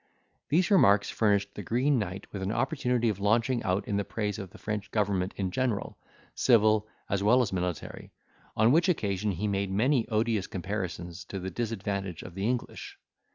These remarks furnished the green knight with an opportunity of launching out in the praise of the French government in general, civil as well as military; on which occasion he made many odious comparisons to the disadvantage of the English.